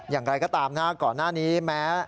อย่างไรก็ตามนะก่อนหน้านี้แม้